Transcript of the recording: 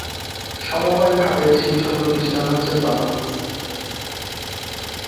সমবায় খাতের শীর্ষ প্রতিষ্ঠান হচ্ছে বাংলাদেশ সমবায় ব্যাংক।